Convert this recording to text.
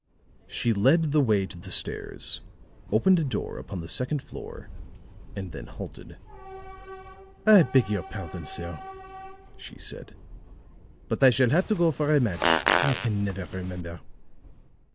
She led the way to the stairs, opened a door upon the second floor and then halted. "I beg your pardon, sir," she said, "but I shall have to go for a match. I can never remember."